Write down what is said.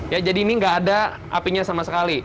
ya jadi ini nggak ada apinya sama sekali